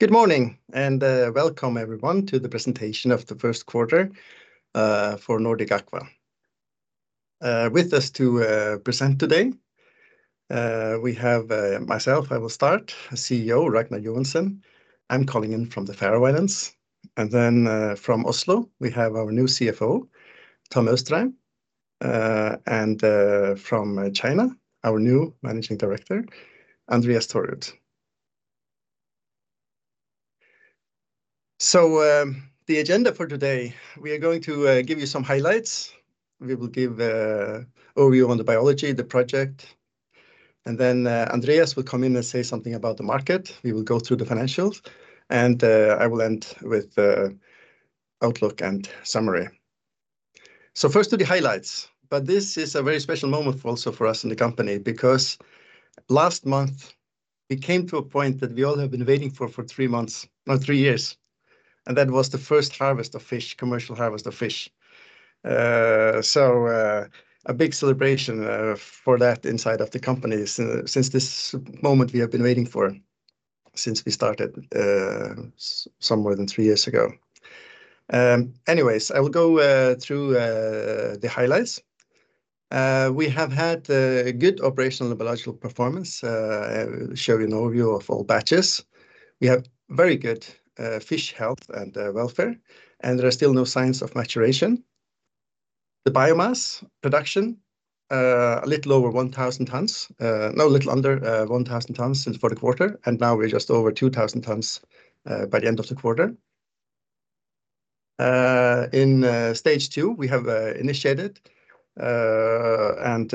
Good morning, and welcome everyone to the presentation of the first quarter for Nordic Aqua. With us to present today, we have myself, I will start, CEO Ragnar Joensen. I'm calling in from the Faroe Islands. And then from Oslo, we have our new CFO Tom Johan Austrheim. And from China, our new Managing Director Andreas Thorud. So the agenda for today, we are going to give you some highlights. We will give an overview on the biology, the project, and then Andreas will come in and say something about the market. We will go through the financials, and I will end with the outlook and summary. First to the highlights, but this is a very special moment also for us in the company, because last month, we came to a point that we all have been waiting for three years, and that was the first commercial harvest of fish. A big celebration for that inside of the company since this moment we have been waiting for since we started more than three years ago. Anyways, I will go through the highlights. We have had a good operational and biological performance, showing an overview of all batches. We have very good fish health and welfare, and there are still no signs of maturation. The biomass production, a little over 1,000 tons, no, a little under 1,000 tons since for the quarter, and now we're just over 2,000 tons by the end of the quarter. In stage two, we have initiated and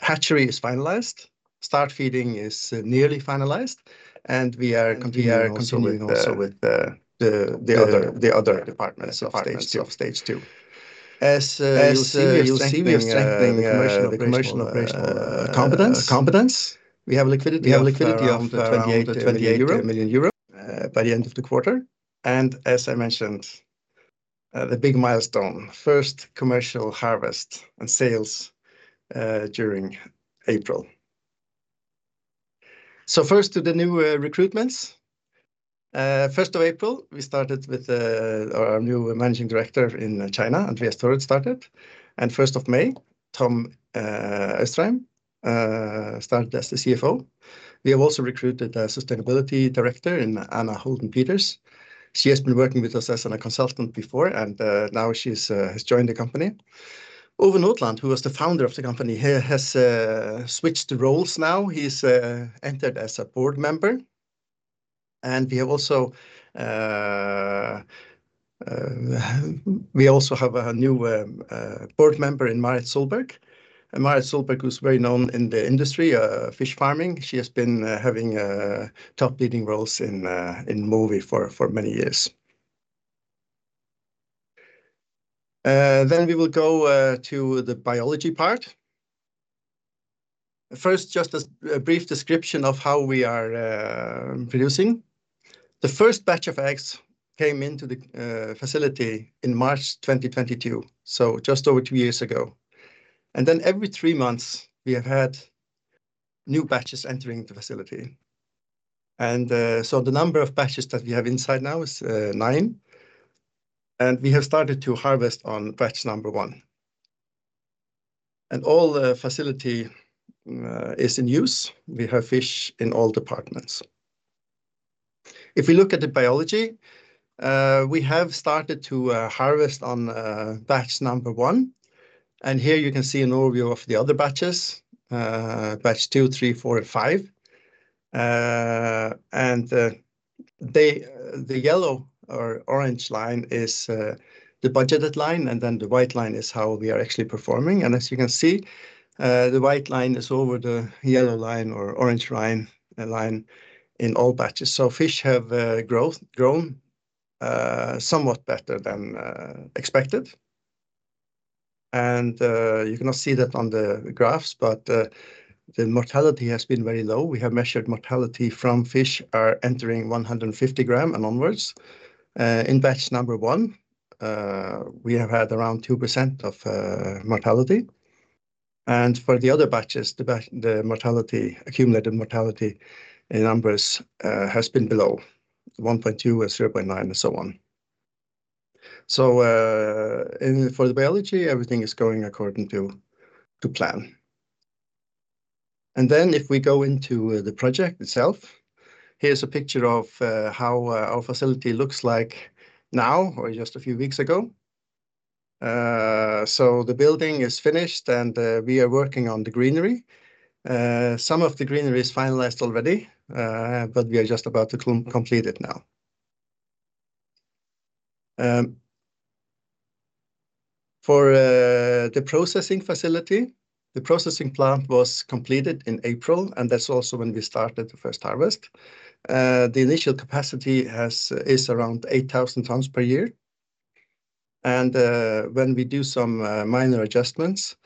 hatchery is finalized. Start feeding is nearly finalized, and we are continuing also with the other departments of stage two. As you'll see, we are strengthening commercial operational competence. We have liquidity of around 28 million euro by the end of the quarter, and as I mentioned, the big milestone, first commercial harvest and sales during April. So first to the new recruitments. First of April, we started with our new managing director in China, Andreas Thorud started, and first of May, Tom Austrheim started as the CFO. We have also recruited a sustainability director in Anna Holden Peters. She has been working with us as a consultant before, and now she has joined the company. Ove Nodland, who was the founder of the company, he has switched roles now. He's entered as a board member, and we also have a new board member in Marit Solberg. And Marit Solberg, who's very known in the industry, fish farming. She has been having top leading roles in Mowi for many years. Then we will go to the biology part. First, just a brief description of how we are producing. The first batch of eggs came into the facility in March 2022, so just over two years ago. Then every three months, we have had new batches entering the facility. So the number of batches that we have inside now is nine, and we have started to harvest on batch number one. All the facility is in use. We have fish in all departments. If we look at the biology, we have started to harvest on batch number 1, and here you can see an overview of the other batches, batch two, three, four, and five. The yellow or orange line is the budgeted line, and then the white line is how we are actually performing. As you can see, the white line is over the yellow line or orange line in all batches. So fish have grown somewhat better than expected. And you cannot see that on the graphs, but the mortality has been very low. We have measured mortality from fish are entering 150 gram and onwards. In batch number one, we have had around 2% of mortality, and for the other batches, the mortality, accumulated mortality in numbers, has been below 1.2, or 0.9, and so on. So and for the biology, everything is going according to plan. And then if we go into the project itself, here's a picture of how our facility looks like now or just a few weeks ago. So the building is finished, and we are working on the greenery. Some of the greenery is finalized already, but we are just about to complete it now. For the processing facility, the processing plant was completed in April, and that's also when we started the first harvest. The initial capacity is around 8,000 tons per year, and when we do some minor adjustments,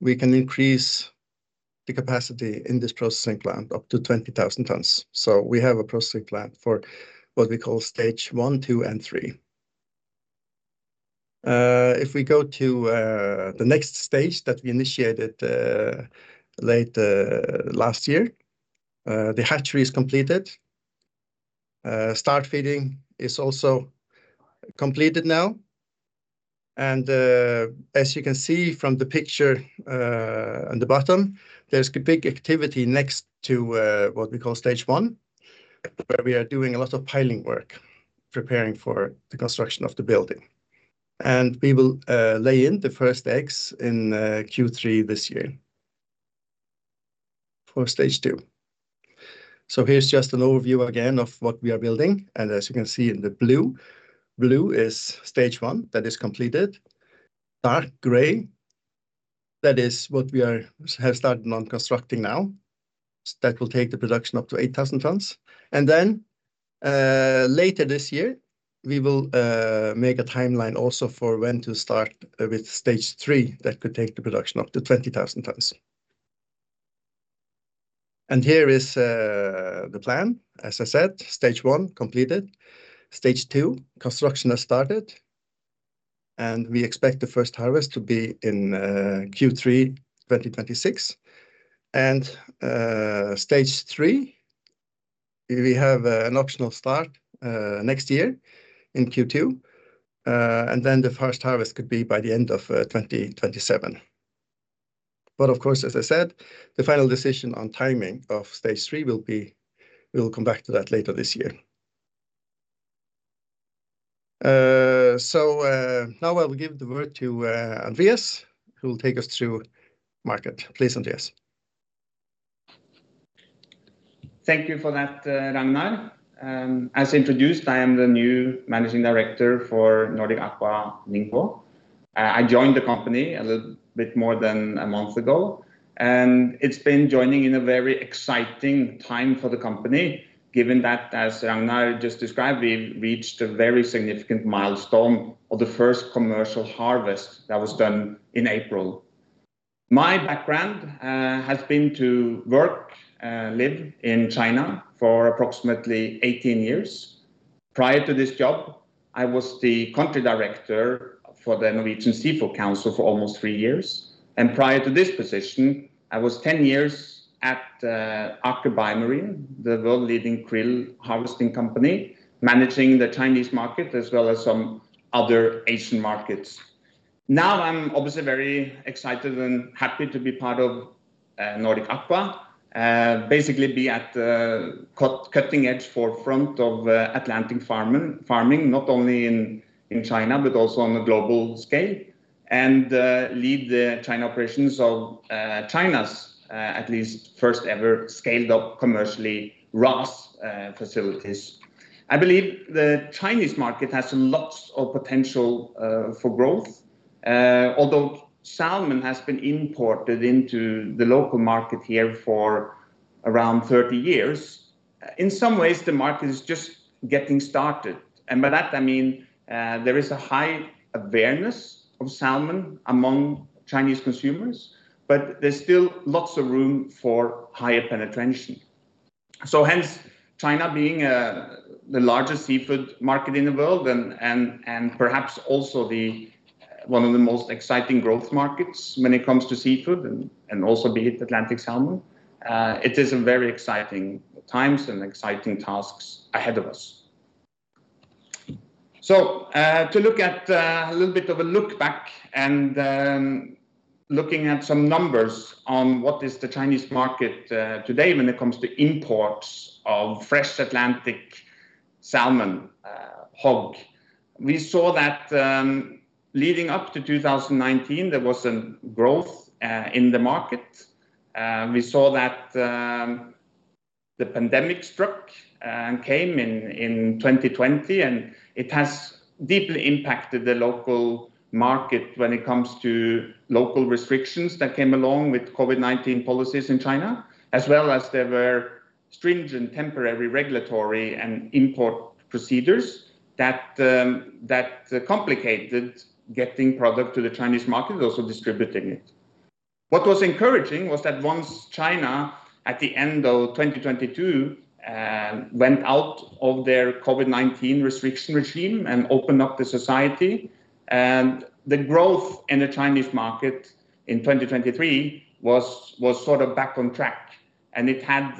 we can increase the capacity in this processing plant up to 20,000 tons. So we have a processing plant for what we call stage one, two, and three. If we go to the next stage that we initiated late last year, the hatchery is completed. Start feeding is also completed now. As you can see from the picture on the bottom, there's a big activity next to what we call stage one, where we are doing a lot of piling work, preparing for the construction of the building. We will lay in the first eggs in Q3 this year for stage two. Here's just an overview again of what we are building, and as you can see in the blue, blue is stage one, that is completed. Dark gray, that is what we have started on constructing now. That will take the production up to 8,000 tons. Then, later this year, we will make a timeline also for when to start with stage three, that could take the production up to 20,000 tons. Here is the plan. As I said, stage one, completed. Stage two, construction has started, and we expect the first harvest to be in Q3 2026. Stage three, we have an optional start next year in Q2. And then the first harvest could be by the end of 2027. But of course, as I said, the final decision on timing of stage three will be. We will come back to that later this year. So, now I will give the word to Andreas, who will take us through market. Please, Andreas. Thank you for that, Ragnar. As introduced, I am the new managing director for Nordic Aqua Ningbo. I joined the company a little bit more than a month ago, and it's been joining in a very exciting time for the company, given that, as Ragnar just described, we've reached a very significant milestone of the first commercial harvest that was done in April. My background has been to work, live in China for approximately 18 years. Prior to this job, I was the country director for the Norwegian Seafood Council for almost three years. Prior to this position, I was 10 years at Aker BioMarine, the world-leading krill harvesting company, managing the Chinese market, as well as some other Asian markets. Now, I'm obviously very excited and happy to be part of Nordic Aqua, basically be at the cutting-edge forefront of Atlantic farming, not only in China, but also on a global scale, and lead the China operations of China's at least first ever scaled up commercially RAS facilities. I believe the Chinese market has lots of potential for growth. Although salmon has been imported into the local market here for around 30 years, in some ways, the market is just getting started. By that, I mean, there is a high awareness of salmon among Chinese consumers, but there's still lots of room for higher penetration. So hence, China being the largest seafood market in the world, and perhaps also one of the most exciting growth markets when it comes to seafood and also be it Atlantic salmon, it is a very exciting times and exciting tasks ahead of us. To look at a little bit of a look back and looking at some numbers on what is the Chinese market today when it comes to imports of fresh Atlantic salmon, HOG. We saw that, leading up to 2019, there was a growth in the market. We saw that the pandemic struck and came in, in 2020, and it has deeply impacted the local market when it comes to local restrictions that came along with COVID-19 policies in China, as well as there were stringent temporary regulatory and import procedures that complicated getting product to the Chinese market, also distributing it. What was encouraging was that once China, at the end of 2022, went out of their COVID-19 restriction regime and opened up the society, and the growth in the Chinese market in 2023 was sort of back on track. And it had,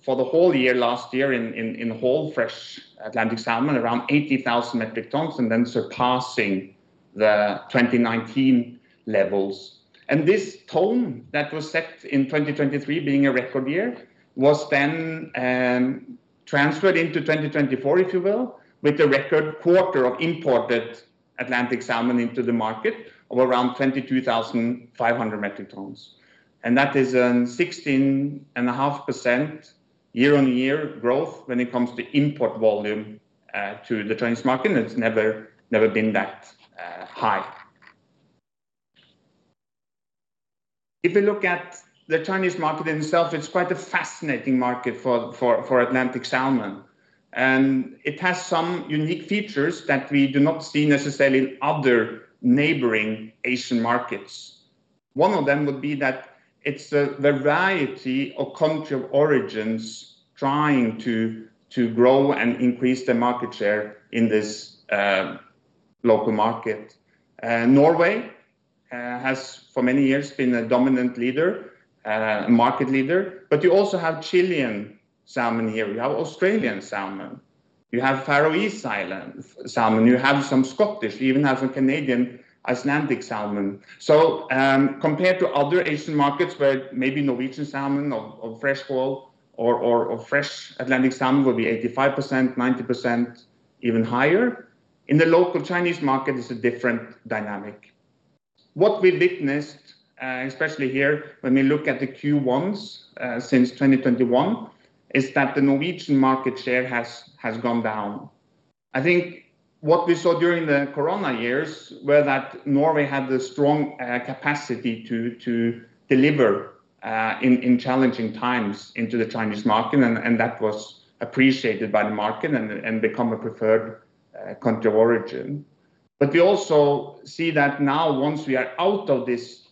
for the whole year, last year in whole fresh Atlantic salmon, around 80,000 metric tons, and then surpassing the 2019 levels. This tone that was set in 2023, being a record year, was then transferred into 2024, if you will, with a record quarter of imported Atlantic salmon into the market of around 22,500 metric tons. That is 16.5% year-on-year growth when it comes to import volume to the Chinese market, and it's never, never been that high. If you look at the Chinese market itself, it's quite a fascinating market for Atlantic salmon, and it has some unique features that we do not see necessarily in other neighboring Asian markets. One of them would be that it's the variety of country of origins trying to grow and increase their market share in this local market. Norway has for many years been a dominant leader, a market leader, but you also have Chilean salmon here. You have Australian salmon. You have Faroe Islands salmon. You have some Scottish, you even have some Canadian, Icelandic salmon. So, compared to other Asian markets where maybe Norwegian salmon or fresh whole or fresh Atlantic salmon will be 85%, 90%, even higher, in the local Chinese market is a different dynamic. What we witnessed, especially here when we look at the Q1s, since 2021, is that the Norwegian market share has gone down. I think what we saw during the Corona years were that Norway had the strong capacity to deliver in challenging times into the Chinese market, and that was appreciated by the market and become a preferred country of origin. But we also see that now, once we are out of this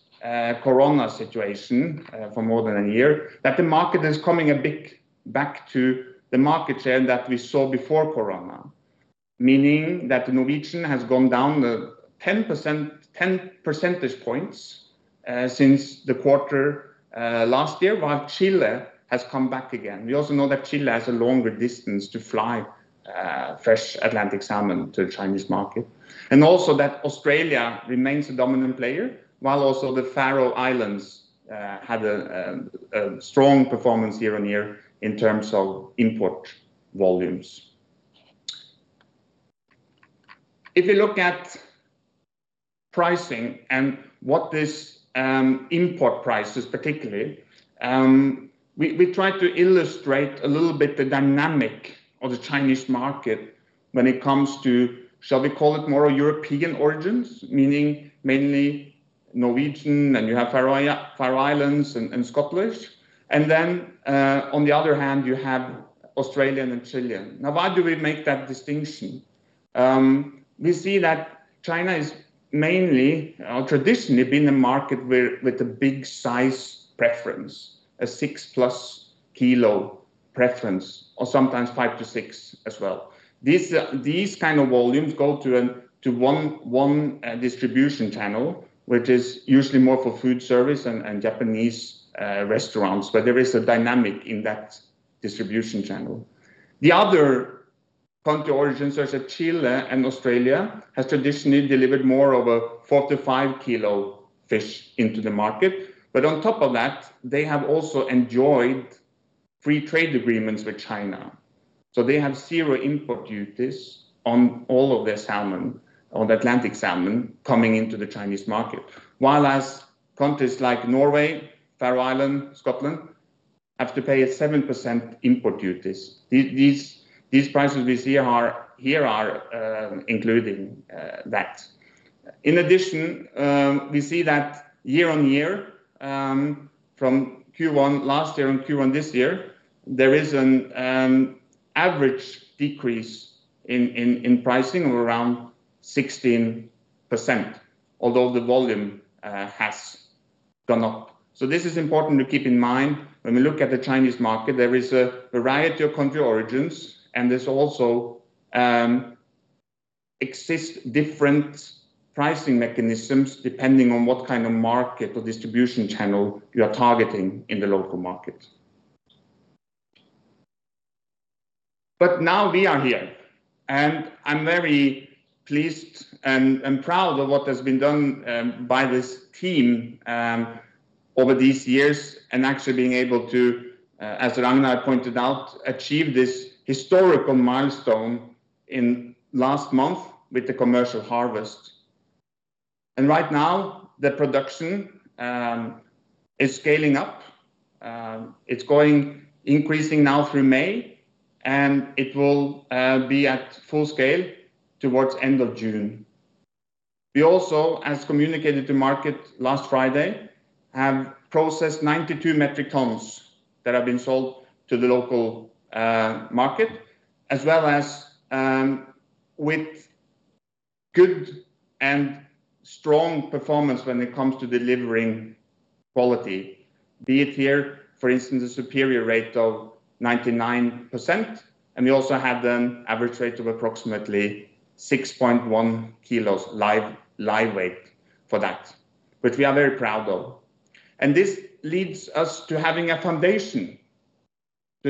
Corona situation for more than a year, that the market is coming a bit back to the market share that we saw before Corona. Meaning that the Norwegian has gone down 10%, 10 percentage points, since the quarter last year, while Chile has come back again. We also know that Chile has a longer distance to fly fresh Atlantic salmon to the Chinese market, and also that Australia remains a dominant player, while also the Faroe Islands had a strong performance year-on-year in terms of import volumes. If you look at pricing and what this import prices particularly, we try to illustrate a little bit the dynamic of the Chinese market when it comes to, shall we call it, more European origins, meaning mainly Norwegian, and you have Faroe Islands and Scottish. And then on the other hand, you have Australian and Chilean. Now, why do we make that distinction? We see that China is mainly traditionally been a market where with a big size preference, a 6+ kilo preference, or sometimes five to six as well. These, these kind of volumes go to a, to one distribution channel, which is usually more for food service and, and Japanese, restaurants, but there is a dynamic in that distribution channel. The other country origins, such as Chile and Australia, has traditionally delivered more of a four to five kilo fish into the market. But on top of that, they have also enjoyed free trade agreements with China. So they have 0 import duties on all of their salmon, on the Atlantic salmon coming into the Chinese market. While as countries like Norway, Faroe Islands, Scotland, have to pay a 7% import duties. These, these prices we see are here are, including, that. In addition, we see that year-on-year, from Q1 last year and Q1 this year, there is an average decrease in pricing of around 16%, although the volume has gone up. So this is important to keep in mind when we look at the Chinese market, there is a variety of country origins, and there's also exist different pricing mechanisms, depending on what kind of market or distribution channel you are targeting in the local market. But now we are here, and I'm very pleased and proud of what has been done by this team over these years and actually being able to, as Ragnar pointed out, achieve this historical milestone in last month with the commercial harvest. And right now, the production is scaling up. It's going increasing now through May, and it will be at full scale towards end of June. We also, as communicated to market last Friday, have processed 92 metric tons that have been sold to the local market, as well as with good and strong performance when it comes to delivering quality, be it here, for instance, a superior rate of 99%, and we also have an average rate of approximately 6.1 kilos live weight for that, which we are very proud of. This leads us to having a foundation to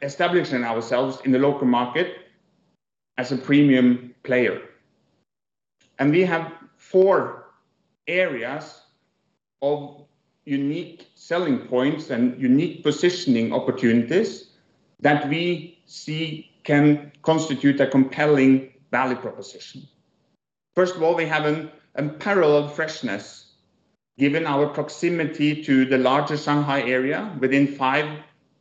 establishing ourselves in the local market as a premium player. We have four areas of unique selling points and unique positioning opportunities that we see can constitute a compelling value proposition. First of all, we have unparalleled freshness, given our proximity to the larger Shanghai area within five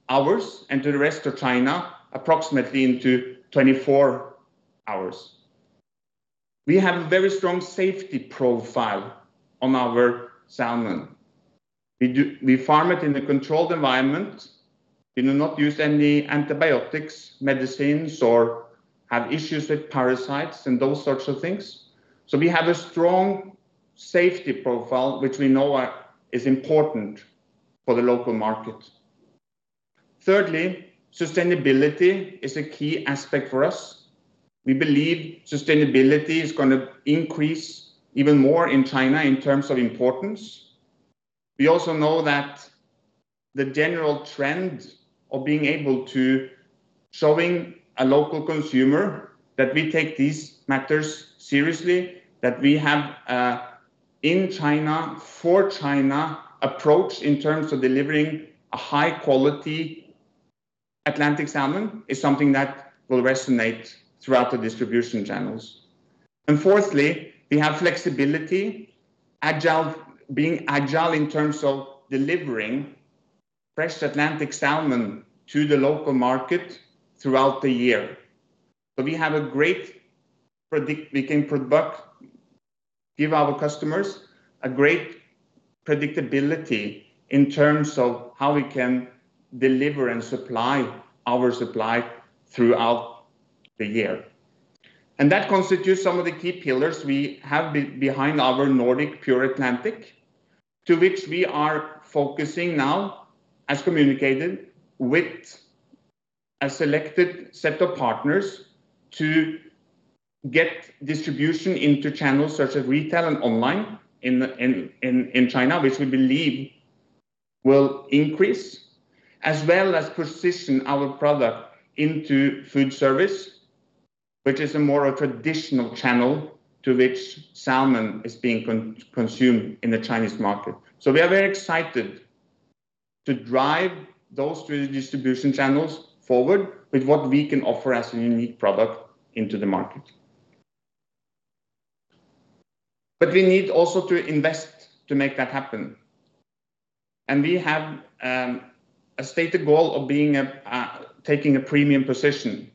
hours, and to the rest of China, approximately in 24 hours. We have a very strong safety profile on our salmon. We do, we farm it in a controlled environment. We do not use any antibiotics, medicines, or have issues with parasites and those sorts of things. So we have a strong safety profile, which we know is important for the local market. Thirdly, sustainability is a key aspect for us. We believe sustainability is going to increase even more in China in terms of importance. We also know that the general trend of being able to show a local consumer that we take these matters seriously, that we have in China, for China approach in terms of delivering a high quality Atlantic salmon, is something that will resonate throughout the distribution channels. And fourthly, we have flexibility, being agile in terms of delivering fresh Atlantic salmon to the local market throughout the year. So we have a great predictability. We can give our customers a great predictability in terms of how we can deliver and supply our supply throughout the year. And that constitutes some of the key pillars we have behind our Nordic Pure Atlantic, to which we are focusing now, as communicated, with a selected set of partners to get distribution into channels such as retail and online in China, which we believe will increase, as well as position our product into food service, which is a more traditional channel to which salmon is being consumed in the Chinese market. So we are very excited to drive those three distribution channels forward with what we can offer as a unique product into the market. But we need also to invest to make that happens, and we have a stated goal of being a taking a premium position.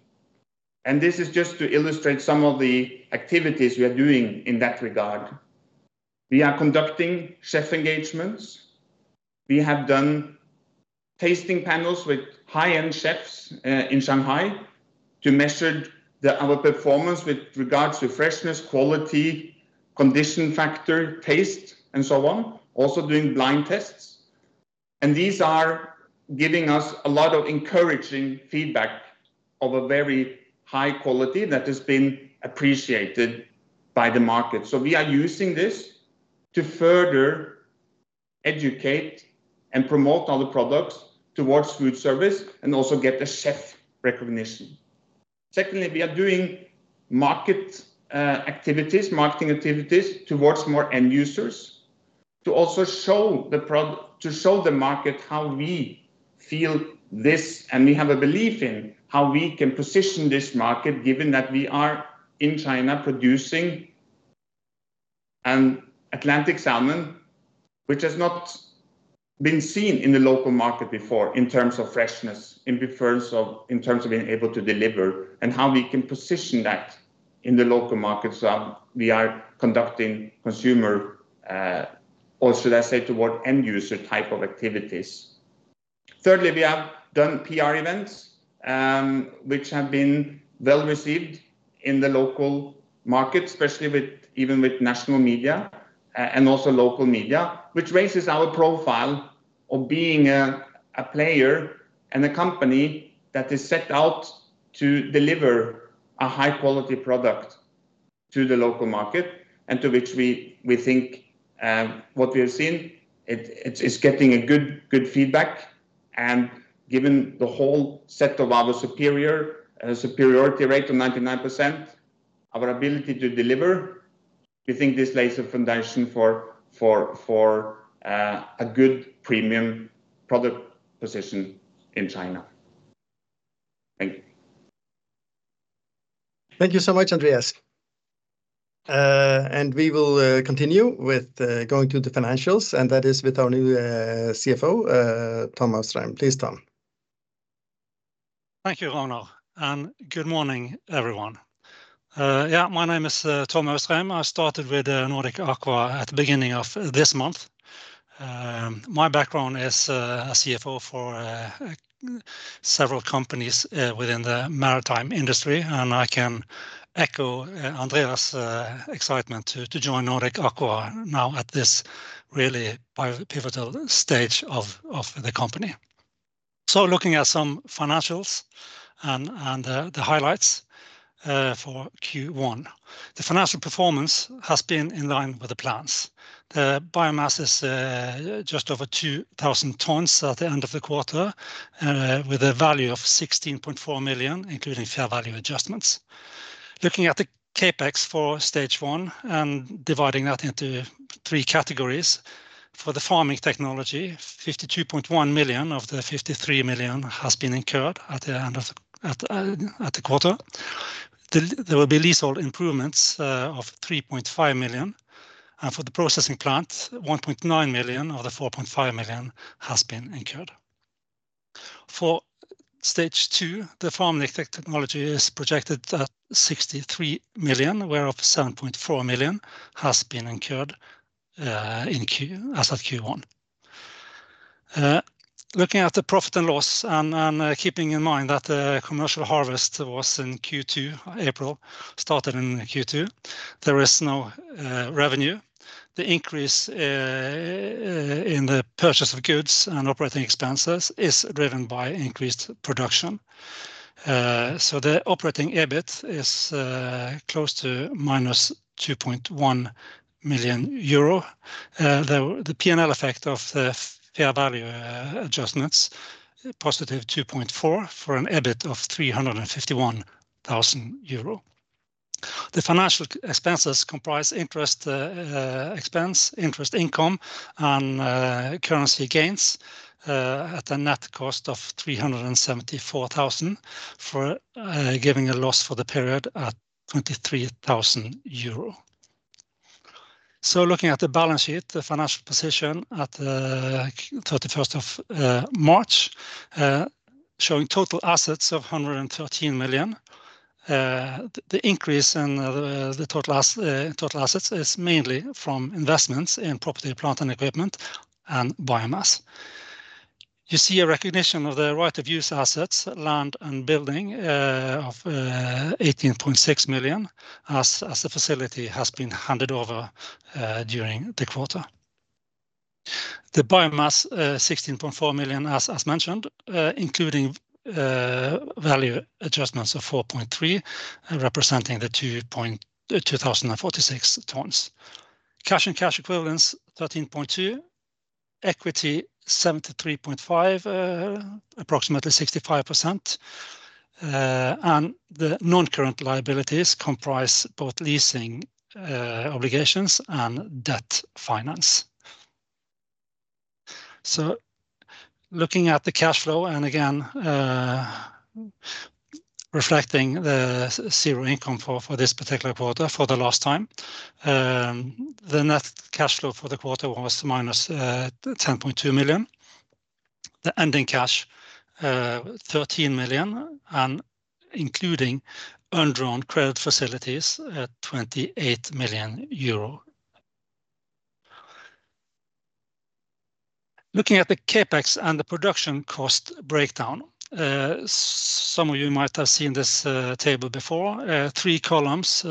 And this is just to illustrate some of the activities we are doing in that regard. We are conducting chef engagements. We have done tasting panels with high-end chefs in Shanghai to measure our performance with regards to freshness, quality, condition factor, taste, and so on, also doing blind tests. These are giving us a lot of encouraging feedback of a very high quality that has been appreciated by the market. So we are using this to further educate and promote other products towards food service and also get the chef recognition. Secondly, we are doing market activities, marketing activities towards more end users, to also show the market how we feel this, and we have a belief in how we can position this market, given that we are in China producing an Atlantic salmon, which has not been seen in the local market before in terms of freshness, in preference of, in terms of being able to deliver, and how we can position that in the local market. So we are conducting consumer, or should I say, toward end-user type of activities. Thirdly, we have done PR events, which have been well-received in the local market, especially even with national media, and also local media, which raises our profile of being a player and a company that is set out to deliver a high-quality product to the local market, and to which we think what we have seen, it's getting a good feedback. And given the whole set of our superior rate of 99%, our ability to deliver, we think this lays a foundation for a good premium product position in China. Thank you. Thank you so much, Andreas. And we will continue with going through the financials, and that is with our new CFO, Tom Austrheim. Please, Tom. Thank you, Ragnar, and good morning, everyone. Yeah, my name is Tom Austrheim. I started with Nordic Aqua at the beginning of this month. My background is a CFO for several companies within the maritime industry, and I can echo Andreas's excitement to join Nordic Aqua now at this really pivotal stage of the company. Looking at some financials and the highlights for Q1. The financial performance has been in line with the plans. The biomass is just over 2,000 tons at the end of the quarter, with a value of 16.4 million, including fair value adjustments Looking at the CapEx for stage one and dividing that into three categories, for the farming technology, 52.1 million of the 53 million has been incurred at the end of the quarter. There will be leasehold improvements of 3.5 million, and for the processing plant, 1.9 million of the 4.5 million has been incurred. For stage two, the farming technology is projected at 63 million, whereof 7.4 million has been incurred as of Q1. Looking at the profit and loss and keeping in mind that the commercial harvest was in Q2 April, started in Q2, there is no revenue. The increase in the purchase of goods and operating expenses is driven by increased production. So the operating EBIT is close to -2.1 million euro. The P&L effect of the fair value adjustments, positive 2.4 million for an EBIT of 351 thousand euro. The financial expenses comprise interest expense, interest income, and currency gains at a net cost of 374 thousand, giving a loss for the period at 23 thousand euro. So looking at the balance sheet, the financial position at 31st of March showing total assets of 113 million. The increase in the total assets is mainly from investments in property, plant, and equipment and biomass. You see a recognition of the right of use assets, land, and building, of 18.6 million, as the facility has been handed over during the quarter. The biomass, 16.4 million, as mentioned, including value adjustments of 4.3 million, representing the 2,046 tons. Cash and cash equivalents, 13.2 million. Equity, 73.5 million, approximately 65%. And the non-current liabilities comprise both leasing obligations and debt finance. So looking at the cash flow, and again reflecting the zero income for this particular quarter for the last time, the net cash flow for the quarter was 10.2 million. The ending cash, 13 million, and including undrawn credit facilities at 28 million euro. Looking at the CapEx and the production cost breakdown, some of you might have seen this table before. Three columns,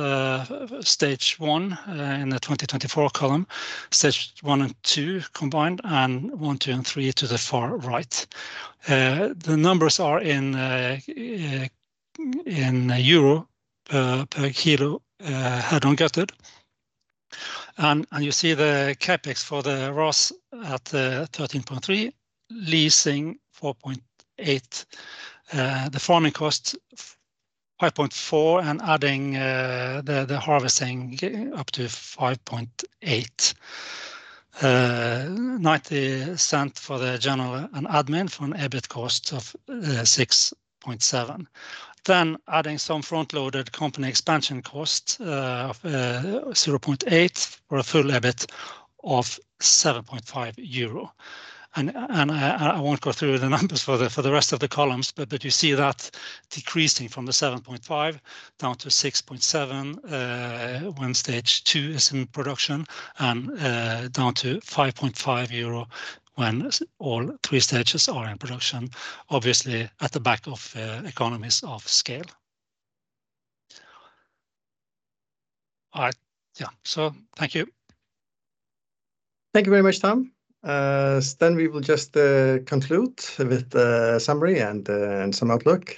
stage one in the 2024 column, stage one and two combined, and one, two, and three to the far right. The numbers are in EUR per kilo head on gutted. And you see the CapEx for the RAS at 13.3, leasing 4.8. The farming cost, five point four, and adding the harvesting up to 5.8. Ninety cent for the general and admin for an EBIT cost of 6.7. Then adding some front-loaded company expansion costs of 0.8, for a full EBIT of 7.5 euro. I won't go through the numbers for the rest of the columns, but you see that decreasing from the 7.5 EUR down to 6.7 EUR when stage two is in production, and down to 5.5 euro when all three stages are in production, obviously, at the back of economies of scale. All right. Yeah. So thank you. Thank you very much, Tom. Then we will just conclude with the summary and some outlook.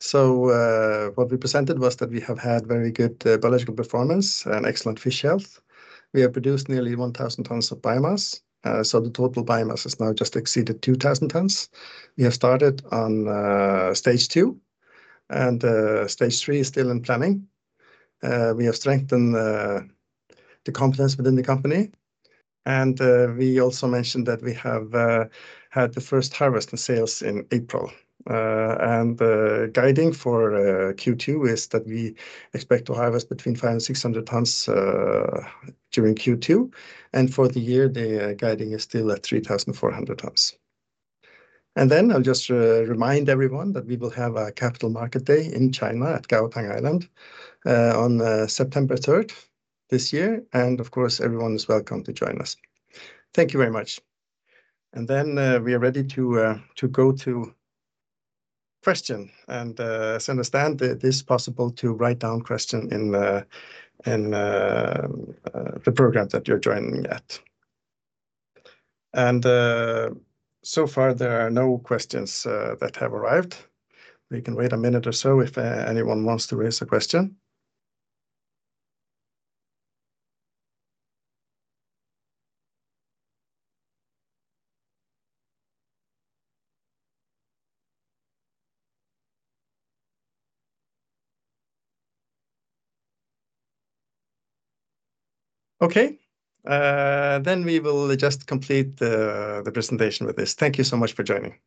So, what we presented was that we have had very good biological performance and excellent fish health. We have produced nearly 1,000 tons of biomass, so the total biomass has now just exceeded 2,000 tons. We have started on stage two, and stage three is still in planning. We have strengthened the competence within the company, and we also mentioned that we have had the first harvest and sales in April. And the guiding for Q2 is that we expect to harvest between 500 and 600 tons during Q2. For the year, the guiding is still at 3,400 tons. And then I'll just remind everyone that we will have a capital market day in China at Gaotang Island on September third this year, and of course, everyone is welcome to join us. Thank you very much. And then we are ready to go to question. And as you understand, it is possible to write down question in the program that you're joining at. And so far, there are no questions that have arrived. We can wait a minute or so if anyone wants to raise a question. Okay, then we will just complete the presentation with this. Thank you so much for joining.